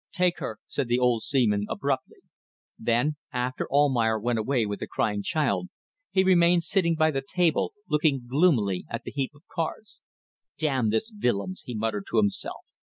"Take her," said the old seaman, abruptly. Then, after Almayer went away with the crying child, he remained sitting by the table, looking gloomily at the heap of cards. "Damn this Willems," he muttered to himself.